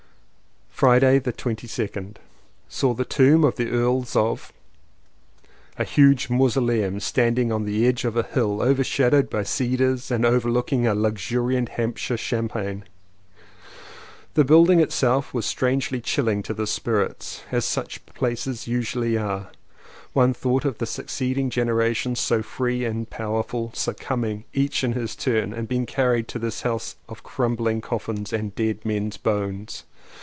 Friday the 22nd. Saw the tombs of the Earls of A huge mausoleum standing on the edge of 210 LLEWELLYN POWYS a hill overshadowed by cedars and over looking a luxuriant Hampshire champagne. The building itself was strangely chilling to the spirits, as such places usually are; one thought of the succeeding generations so free and powerful succumbing each in his turn, and being carried to this house of crumbling coffins and dead men's bones.